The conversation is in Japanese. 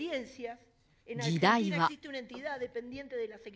議題は。